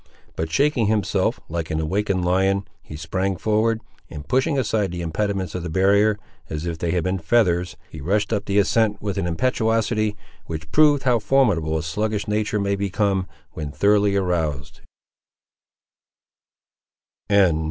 But shaking himself, like an awakened lion, he sprang forward, and pushing aside the impediments of the barrier, as if they had been feathers, he rushed up the ascent with an impetuosity which proved how formidable a sluggish nature may become, when thoroughly aroused.